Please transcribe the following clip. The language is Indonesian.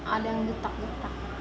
ada yang getak getak